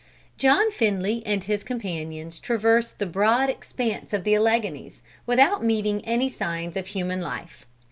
John Finley and his companions traversed the broad expanse of the Alleghanies, without meeting any signs of human life.